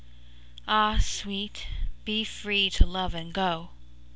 Ah, Sweet, be free to love and go!